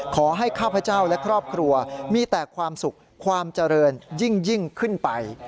ข้าพเจ้าและครอบครัวมีแต่ความสุขความเจริญยิ่งขึ้นไป